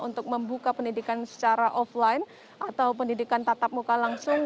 untuk membuka pendidikan secara offline atau pendidikan tatap muka langsung